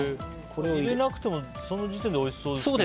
入れなくてもその時点でおいしそうですけど。